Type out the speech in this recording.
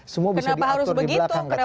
semua bisa diatur di belakang